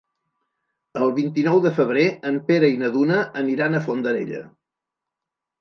El vint-i-nou de febrer en Pere i na Duna aniran a Fondarella.